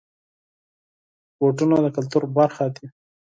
بوټونه د کلتور برخه دي.